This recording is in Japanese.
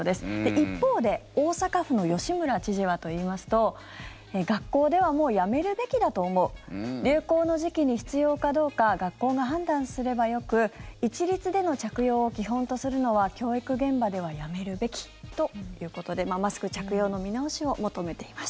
一方で大阪府の吉村知事はといいますと学校ではもうやめるべきだと思う流行の時期に、必要かどうか学校が判断すればよく一律での着用を基本とするのは教育現場ではやめるべきということでマスク着用の見直しを求めています。